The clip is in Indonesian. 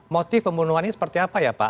motif pembunuhannya seperti apa ya pak